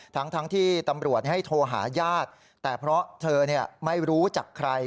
ทั้งที่ตำรวจให้โทรหาญาติแต่เพราะเธอไม่รู้จักใคร